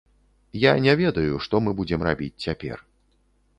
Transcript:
Я не ведаю, што мы будзем рабіць цяпер.